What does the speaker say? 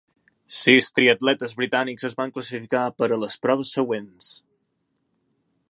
Sis triatletes britànics es van classificar per a les proves següents.